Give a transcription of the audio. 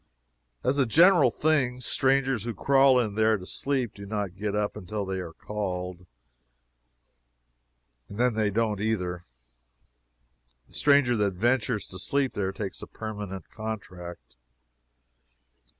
As a general thing, strangers who crawl in there to sleep do not get up until they are called. And then they don't either. The stranger that ventures to sleep there takes a permanent contract.